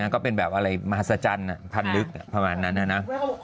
ก็เป็นแบบอะไรมหัศจรรย์พันลึกประมาณนั้นนะ